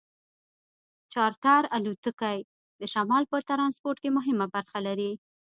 چارټر الوتکې د شمال په ټرانسپورټ کې مهمه برخه لري